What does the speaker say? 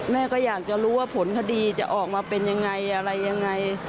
แม่ก็อยากจะรู้ว่าผลคดีจะออกมาเป็นยังไงอะไรยังไง